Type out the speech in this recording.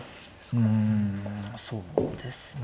うんどうですかね。